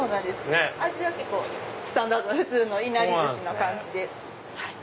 味は結構スタンダードな普通の稲荷寿司の感じで。